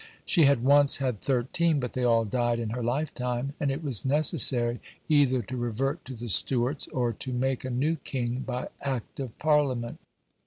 She had once had thirteen, but they all died in her lifetime, and it was necessary either to revert to the Stuarts or to make a new king by Act of Parliament.